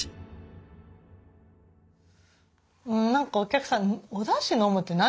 何かお客さん「おだし飲むって何？」